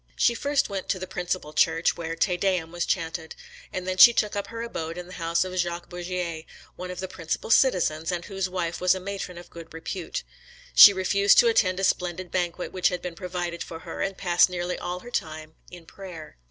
She first went to the principal church, where TE DEUM was chaunted; and then she took up her abode in the house of Jacques Bourgier, one of the principal citizens, and whose wife was a matron of good repute. She refused to attend a splendid banquet which had been provided for her, and passed nearly all her time in prayer.